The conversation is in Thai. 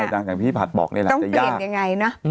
ต้องเปลี่ยนยังไงเนอะ